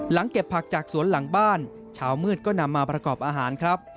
เก็บผักจากสวนหลังบ้านเช้ามืดก็นำมาประกอบอาหารครับ